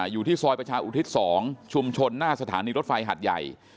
อยู่ที่ซอยประชาอุทิศ๒ชุมชนหน้าสถานีรถไฟหัดใหญ่